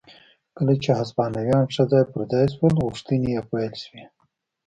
کله چې هسپانویان ښه ځای پر ځای شول غوښتنې یې پیل شوې.